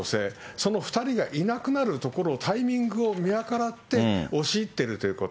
その２人がいなくなるところを、タイミングを見計らって、押し入ってるということ。